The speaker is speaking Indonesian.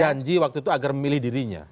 janji waktu itu agar memilih dirinya